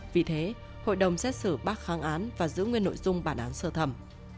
vì thế hội đồng xét xử bác kháng án và giữ nguyên nội dung bản án sơ thẩm